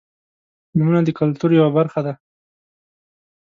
فلمونه د کلتور یوه برخه ده.